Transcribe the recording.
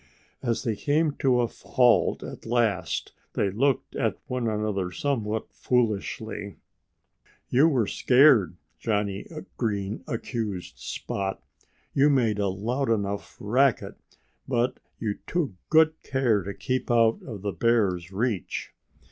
As they came to a halt at last they looked at one another somewhat foolishly. "You were scared," Johnnie Green accused Spot. "You made a loud enough racket; but you took good care to keep out of the bear's reach."